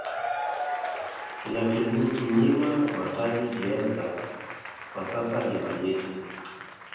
kinachomnyima mataji bielsa kwa sasa ni bajeti